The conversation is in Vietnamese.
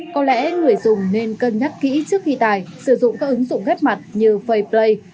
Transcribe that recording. có lẽ người dùng nên cân nhắc kỹ trước khi tài sử dụng các ứng dụng ghép mặt như fai pray